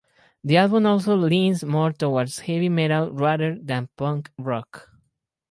The album also leans more towards heavy metal rather than punk rock.